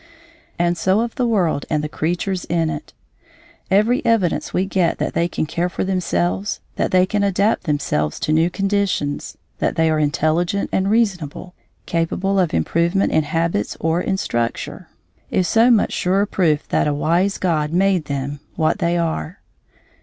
And so of the world and the creatures in it. Every evidence we get that they can care for themselves, that they can adapt themselves to new conditions, that they are intelligent and reasonable, capable of improvement in habits or in structure, is so much surer proof that a wise God made them what they are.